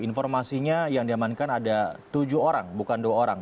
informasinya yang diamankan ada tujuh orang bukan dua orang